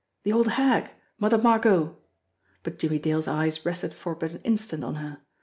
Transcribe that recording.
The old hag! Mother MargotI But Jimmie Dale's eyes rested for but an instant on her.